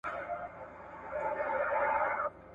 دا منابع بايد د خلګو د هوسايني لپاره وکارول سي.